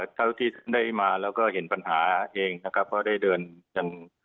เท่าที่ได้มาแล้วก็เห็นปัญหาเองนะครับก็ได้เดินอย่าง